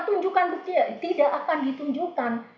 tunjukkan tidak akan ditunjukkan